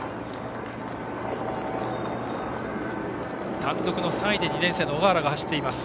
単独の３位で２年生の小河原が走っています。